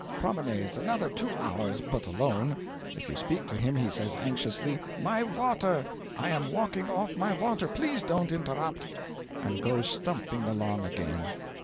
Promenades another two hours, but alone; if you speak to him he says anxiously, "My water! I am walking off my water! please don't interrupt," and goes stumping along again.